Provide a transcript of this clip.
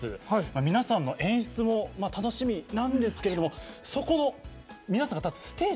皆さんの演出も楽しみなんですけれどもそこを皆さんが立つステージ